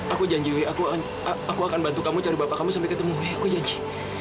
aku janji aku akan bantu kamu cari bapak kamu sampai ketemu aku janji